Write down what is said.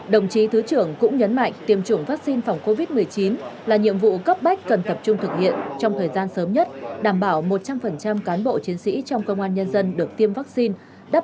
đồng chí thứ trưởng cũng nhấn mạnh tiêm chủng vaccine phòng covid một mươi chín là nhiệm vụ cấp bách cần tập trung thực hiện trong thời gian sớm nhất đảm bảo một trăm linh cán bộ chiến sĩ trong công an nhân dân được tiêm vaccine